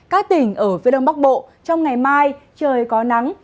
các tỉnh ở phía đông bắc bộ trong ngày mai trời có nắng